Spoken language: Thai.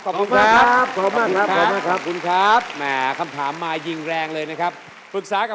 ขอบคุณครับขอบคุณครับ